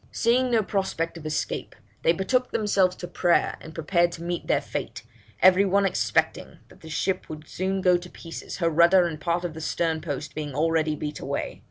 Seeing no prospect of escape, they betook themselves to prayer, and prepared to meet their fate, every one expecting that the ship would soon go to pieces, her rudder and part of the stern post being already beat away.'